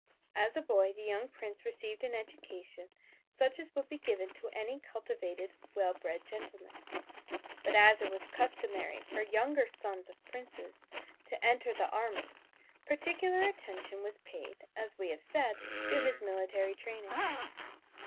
As a boy the young prince received an education such as would be given to any cultivated well bred gentleman, but as it was customary for younger sons of princes to enter the army particular attention was paid, as we have said, to his military training.